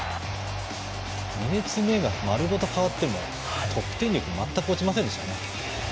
２列目が丸ごと代わっても得点力が全く落ちませんでした。